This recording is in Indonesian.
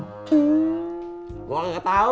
gua enggak tau